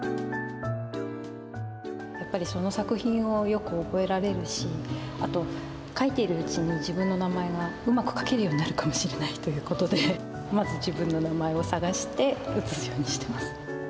やっぱりその作品をよく覚えられるしあと書いているうちに自分の名前がうまく書けるようになるかもしれないという事でまず自分の名前を探して写すようにしてます。